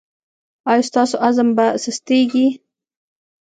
ایا ستاسو عزم به سستیږي؟